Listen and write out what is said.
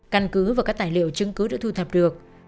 căn cứ và các tài liệu chứng cứ đã thu thập được